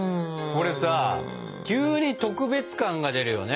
これさ急に特別感が出るよね。